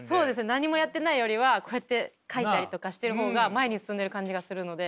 何もやってないよりはこうやって書いたりとかしてる方が前に進んでる感じがするので。